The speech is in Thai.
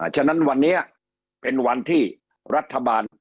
ฉะนั้นวันนี้เป็นวันที่รัฐบาล